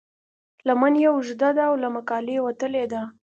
لمن یې اوږده ده او له مقالې وتلې ده.